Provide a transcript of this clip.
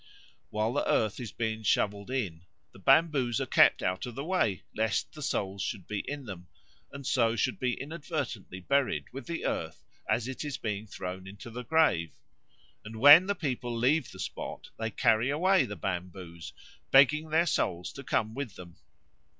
While the earth is being shovelled in, the bamboos are kept out of the way, lest the souls should be in them, and so should be inadvertently buried with the earth as it is being thrown into the grave; and when the people leave the spot they carry away the bamboos, begging their souls to come with them.